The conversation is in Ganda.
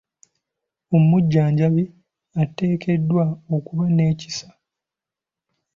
Omujjanjabi ateekeddwa okuba n'ekisa.